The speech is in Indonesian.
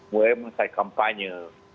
mulai mengisahkan kampanye